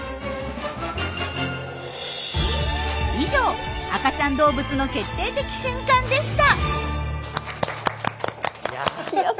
以上赤ちゃん動物の決定的瞬間でした！